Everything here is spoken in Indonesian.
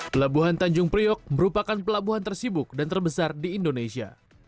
pelabuhan tanjung priok merupakan pelabuhan tersibuk dan terbesar di indonesia